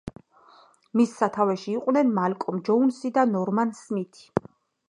მის სათავეში იყვნენ მალკოლმ ჯოუნსი და ნორმან სმითი.